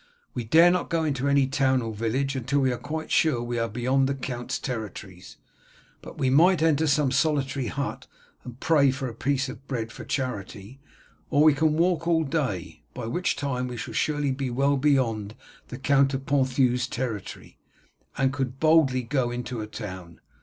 We dare not go into any town or village until we are quite sure that we are beyond the count's territories, but we might enter some solitary hut and pray for a piece of bread for charity, or we can walk all day, by which time we shall surely be well beyond the Count of Ponthieu's territory, and could boldly go into a town.